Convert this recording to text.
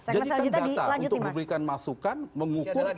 jadikan data untuk memberikan masukan mengukur